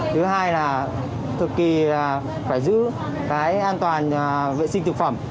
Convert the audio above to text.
thứ hai là cực kỳ phải giữ cái an toàn vệ sinh thực phẩm